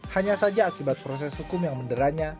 hanya saja akibat proses hukum yang menderanya